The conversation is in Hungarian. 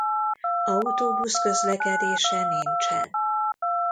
Autóbusz-közlekedése nincsen.